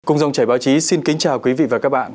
cùng dòng chảy báo chí xin kính chào quý vị và các bạn